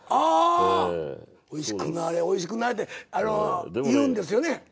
おいしくなれおいしくなれって言うんですよね。